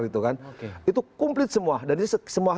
itu komplit semua